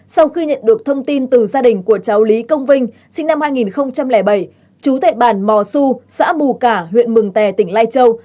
sau khi nhận được thông tin từ gia đình của cháu lý công vinh sinh năm hai nghìn bảy chú tại bản mò su xã mù cả huyện mường tè tỉnh lai châu